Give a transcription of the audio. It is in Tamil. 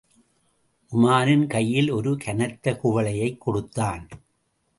உமாரின் கையில் ஒரு கனத்த குவளையைக் கொடுத்தான்.